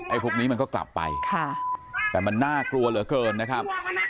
พวกนี้มันก็กลับไปค่ะแต่มันน่ากลัวเหลือเกินนะครับ